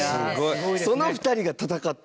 その２人が戦った。